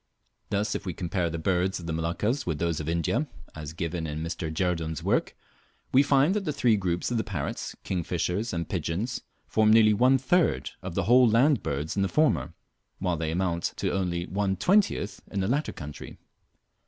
Thus if we compare the birds of the Moluccas with those of India, as given in Mr. Jerdon's work, we find that the three groups of the parrots, kingfishers, and pigeons, form nearly one third of the whole land birds in the former, while they amount to only one twentieth in the latter country.